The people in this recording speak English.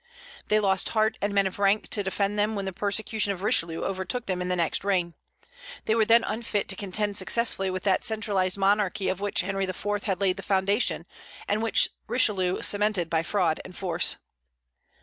They lost heart and men of rank to defend them when the persecution of Richelieu overtook them in the next reign. They were then unfit to contend successfully with that centralized monarchy of which Henry IV. had laid the foundation, and which Richelieu cemented by fraud and force.